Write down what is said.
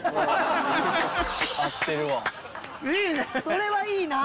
それはいいな！